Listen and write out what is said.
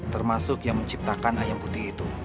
termasuk yang menciptakan ayam putih itu